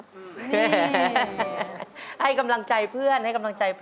มึงบ้านใต้หัวใจสิเผ่